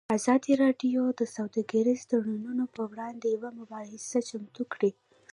ازادي راډیو د سوداګریز تړونونه پر وړاندې یوه مباحثه چمتو کړې.